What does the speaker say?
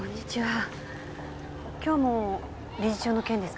今日も理事長の件ですか？